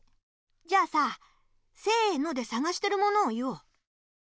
じゃあさせのでさがしてるものを言おう。